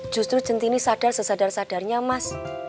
justru jentini sadar sesadar sadarnya mas